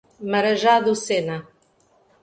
Marajá do Sena